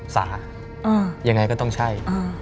สายังไงก็ต้องใช่